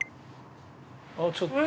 あちょっと。